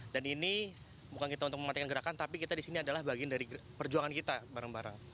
dan ini bukan kita untuk mematikan gerakan tapi kita disini adalah bagian dari perjuangan kita bareng bareng